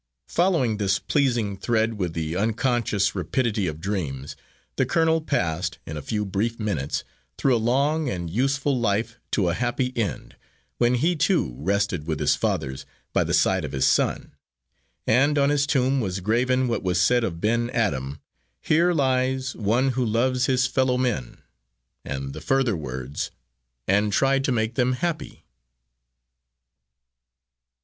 Following this pleasing thread with the unconscious rapidity of dreams, the colonel passed, in a few brief minutes, through a long and useful life to a happy end, when he too rested with his fathers, by the side of his son, and on his tomb was graven what was said of Ben Adhem: "Here lies one who loved his fellow men," and the further words, "and tried to make them happy."